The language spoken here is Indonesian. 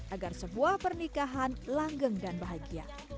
agar sebuah pernikahan langgeng dan bahagia